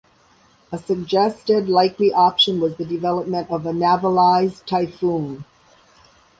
A suggested likely option was the development of a navalised Typhoon.